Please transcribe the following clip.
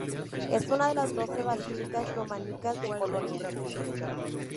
Es una de los doce basílicas románicas de Colonia.